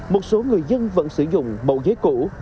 một số người dân vẫn sử dụng mẫu giấy cũ